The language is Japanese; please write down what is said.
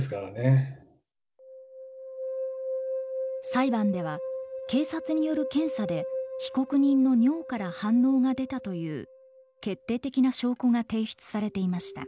裁判では警察による検査で被告人の尿から反応が出たという決定的な証拠が提出されていました。